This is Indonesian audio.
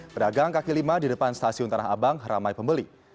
pedagang kaki lima di depan stasiun tanah abang ramai pembeli